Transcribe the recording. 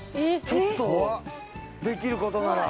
ちょっとできる事なら。